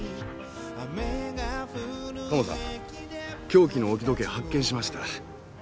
凶器の置き時計発見しました。